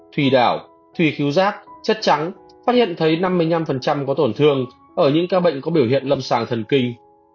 thùy đảo thùy cứu rác chất trắng phát hiện thấy năm mươi năm có tổn thương ở những ca bệnh có biểu hiện lâm sàng thần kinh